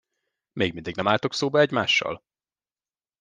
Még mindig nem álltok szóba egymással?